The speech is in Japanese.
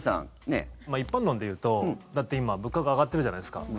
一般論で言うとだって今、物価が上がってるじゃないですか。